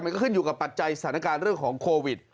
ขึ้นอยู่กับปัจจัยสถานการณ์เรื่องของโควิด